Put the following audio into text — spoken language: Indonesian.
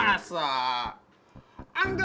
janganlah kau mengajari mereka beribadah